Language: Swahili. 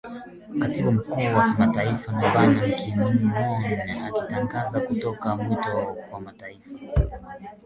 katibu mkuu wa kimataifa ban kimoon akitazamiwa kutoa mwito kwa mataifa